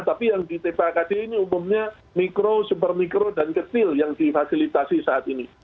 tapi yang di tpa kd ini umumnya mikro super mikro dan kecil yang difasilitasi saat ini